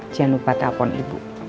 jangan lupa telfon ibu